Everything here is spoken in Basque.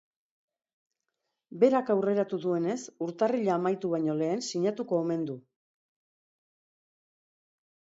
Berak aurreratu duenez, urtarrila amaitu baino lehen sinatuko omen du.